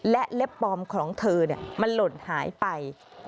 และเล็บปลอมของเธอมันหล่นหายไป